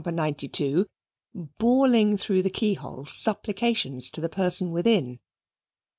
92, bawling through the keyhole supplications to the person within.